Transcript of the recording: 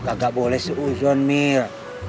kau tidak boleh berusaha mil